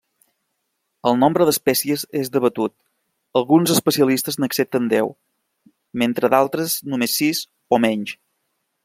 El nombre d'espècies és debatut, alguns especialistes n'accepten deu, mentre d'altres només sis o menys.